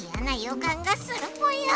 かんがするぽよ。